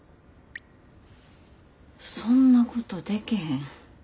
そんなことでけへん。